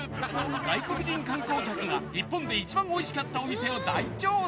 外国人観光客が日本で一番おいしかったお店を大調査！